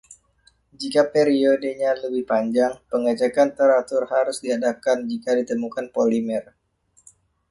Jika periodenya lebih panjang, pengecekan teratur harus diadakan jika ditemukan polimer.